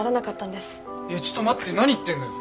いやちょっと待って何言ってんの。